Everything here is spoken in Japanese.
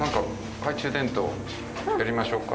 懐中電灯やりましょうか。